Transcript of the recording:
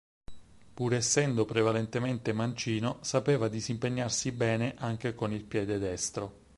Pur essendo prevalentemente mancino, sapeva disimpegnarsi bene anche con il piede destro.